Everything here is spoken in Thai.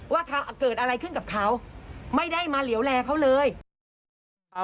ว่าเกิดอะไรขึ้นกับเขาไม่ได้มาเหลวแลเขาเลยนะคะ